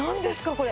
これ。